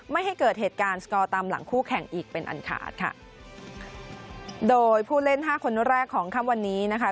ไม่ให้เกิดเหตุการณ์สกอร์ตามหลังคู่แข่งอีกเป็นอันขาดค่ะโดยผู้เล่นห้าคนแรกของค่ำวันนี้นะคะ